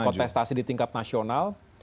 kontestasi di tingkat nasional